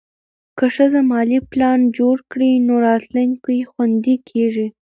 که ښځه مالي پلان جوړ کړي، نو راتلونکی خوندي کېږي.